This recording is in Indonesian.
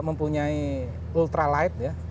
mempunyai ultralight ya